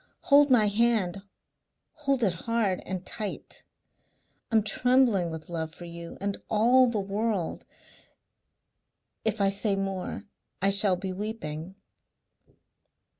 Hold my hand hold it hard and tight. I'm trembling with love for you and all the world.... If I say more I shall be weeping."